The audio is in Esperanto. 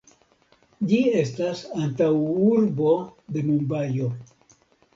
Ĝi estas antaŭurbo de Mumbajo.